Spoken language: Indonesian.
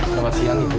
selamat siang ibu